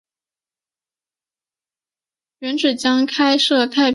原址将开设太平洋影城。